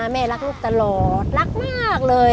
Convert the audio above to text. แม่รักลูกตลอดรักมากเลย